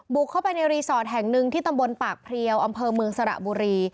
เข้าไปในรีสอร์ทแห่งหนึ่งที่ตำบลปากเพลียวอำเภอเมืองสระบุรี